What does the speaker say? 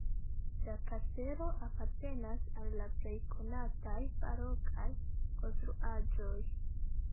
La kastelo apartenas al la plej konataj barokaj konstruaĵoj.